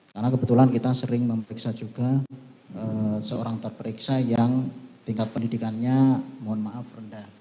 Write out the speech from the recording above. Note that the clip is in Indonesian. karena kebetulan kita sering memperiksa juga seorang terperiksa yang tingkat pendidikannya mohon maaf rendah